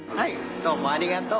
どうもありがとう。